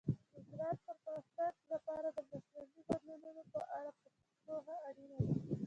د زراعت پرمختګ لپاره د موسمي بدلونونو په اړه پوهه اړینه ده.